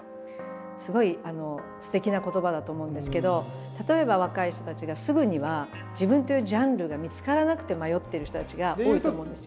すごいすてきな言葉だと思うんですけど例えば若い人たちがすぐには自分というジャンルが見つからなくて迷ってる人たちが多いと思うんですよ。